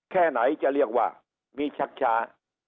แค่ไหนจะเรียกว่ามีชักช้า